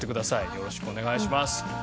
よろしくお願いします。